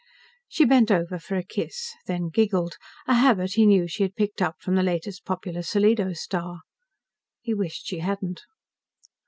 She bent over for a kiss, then giggled a habit he knew she had picked up from the latest popular solido star. He wished she hadn't.